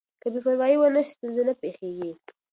که بې پروايي ونه شي ستونزه نه پېښېږي.